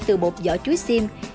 từ bột vỏ chuối xiêm